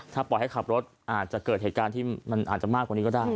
ถ้าปล่อยให้ขับรถอาจจะเกิดเหตุการณ์ที่มันอาจจะมากกว่านี้ก็ได้